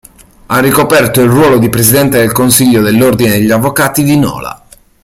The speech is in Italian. Ha ricoperto il ruolo di Presidente del Consiglio dell'Ordine degli Avvocati di Nola.